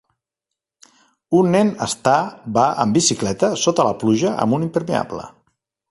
Un nen està va en bicicleta sota la pluja amb un impermeable.